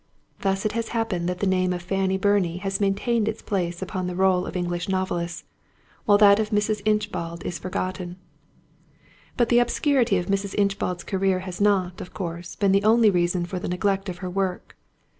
Thus it has happened that the name of Fanny Burney has maintained its place upon the roll of English novelists, while that of Mrs. Inchbald is forgotten. But the obscurity of Mrs. Inchbald's career has not, of course, been the only reason for the neglect of her work.